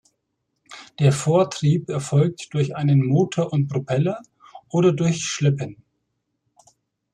Der Vortrieb erfolgt durch einen Motor und Propeller oder durch Schleppen.